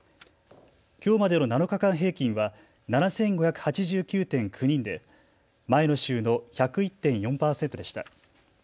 きょうまでの７日間平均は７５８９．９人で前の週の１０１．４％でした。